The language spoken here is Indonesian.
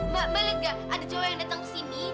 mbak mbak mbak malah gak ada cowok yang datang kesini